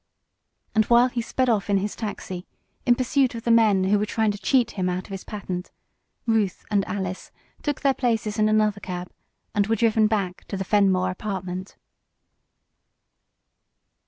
And while he sped off in his taxi, in pursuit of the men who were trying to cheat him out of his patent, Ruth and Alice took their places in another cab, and were driven back to the Fenmore Apartment.